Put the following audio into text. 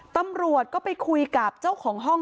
ตำรวจก็ไปคุยกับเจ้าของห้อง